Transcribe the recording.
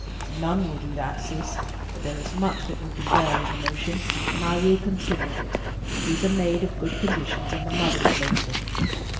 "None will do that, Cis; but there is much that would be well in the notion, and I will consider of it. She is a maid of good conditions, and the mother is lonesome."